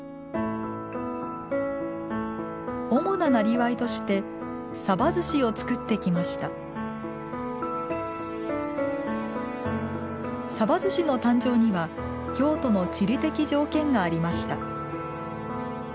主ななりわいとして寿司を作ってきました寿司の誕生には京都の地理的条件がありました。